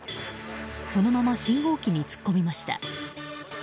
そのまま信号機に突っ込みました。